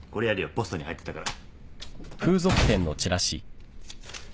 ポストに入ってたから。